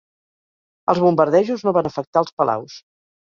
Els bombardejos no van afectar els palaus.